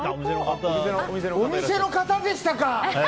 お店の方でしたか！